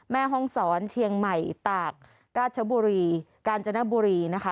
แม่ห้องศรเชียงใหม่ตากราชบุรีกาญจนบุรีนะคะ